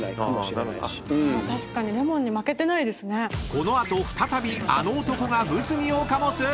［この後再びあの男が物議を醸す！］